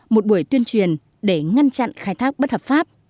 một buổi tuyên truyền để ngăn chặn khai thác bất hợp pháp